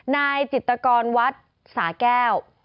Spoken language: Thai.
นายจิตกรวัดสาแก้ว